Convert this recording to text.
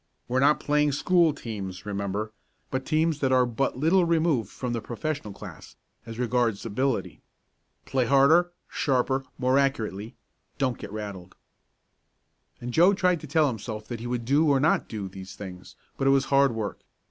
"We're not playing school teams, remember, but teams that are but little removed from the professional class, as regards ability. Play harder sharper more accurately don't get rattled." And Joe tried to tell himself that he would do or not do these things, but it was hard work.